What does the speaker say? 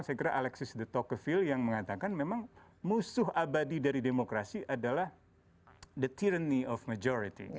saya kira alexis de tocqueville yang mengatakan memang musuh abadi dari demokrasi adalah the tyranny of majority